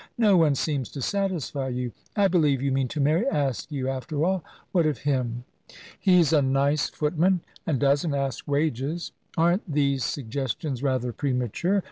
"No one seems to satisfy you. I believe you mean to marry Askew, after all. What of him?" "He's a nice footman, and doesn't ask wages. Aren't these suggestions rather premature?